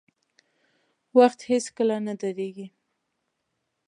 • وخت هیڅکله نه درېږي.